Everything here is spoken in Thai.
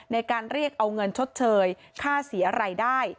ในการเรียกเอาเงินชดเชยค่าเสียอะไรได้